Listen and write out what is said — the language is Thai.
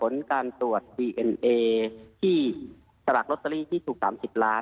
๑ล้านนั่นนะครับ